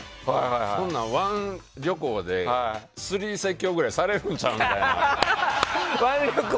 そんなん、ワン旅行でスリー説教くらいされるんちゃう？みたいな。